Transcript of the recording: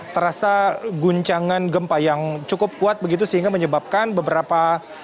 terasa guncangan gempa yang cukup kuat begitu sehingga menyebabkan beberapa